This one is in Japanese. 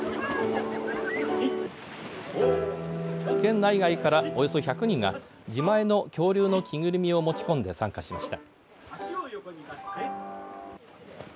県内外からおよそ１００人が自前の恐竜の着ぐるみを持ち込んで参加しました。